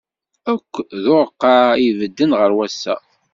Akk d ureqqeɛ i ibedden ɣer wass-a.